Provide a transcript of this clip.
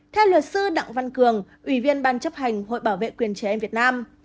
theo luật sư đặng văn cường ủy viên ban chấp hành hội bảo vệ quyền trẻ em việt nam